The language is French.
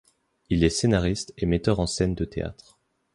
Il est scénariste et metteur en scène de théâtre.